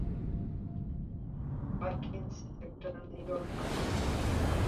Parkinson's একটা নীরব ঘাতক।